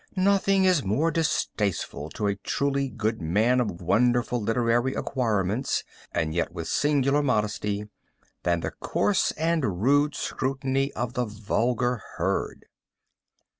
Nothing is more distasteful to a truly good man of wonderful literary acquirements, and yet with singular modesty, than the coarse and rude scrutiny of the vulgar herd.